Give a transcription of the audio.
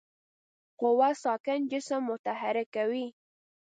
قوه ساکن جسم متحرک کوي.